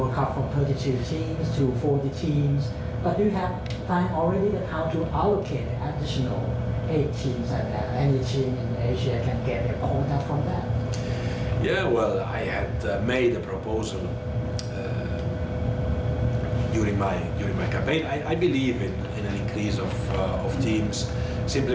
แคมป์ว่านายจะข่าวส่องพดลงกับทีมที่๓๐๔๐แห่งเมียนินไทย